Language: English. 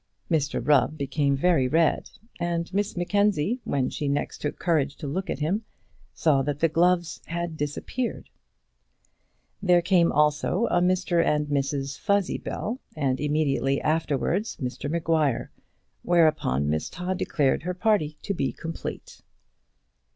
Mr Rubb became very red, and Miss Mackenzie, when she next took courage to look at him, saw that the gloves had disappeared. There came also a Mr and Mrs Fuzzybell, and immediately afterwards Mr Maguire, whereupon Miss Todd declared her party to be complete.